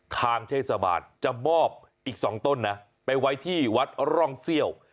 ทางเทศบาลจะมอบอีก๒ต้นนะไปไว้ที่วัดร่องเซี่ยว